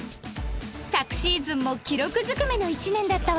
昨シーズンも記録ずくめの一年だったわよね